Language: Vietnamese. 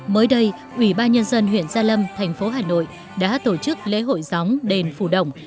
mới đây ủy ban nhân dân huyện gia lâm thành phố hà nội đã tổ chức lễ hội gióng đền phủ đồng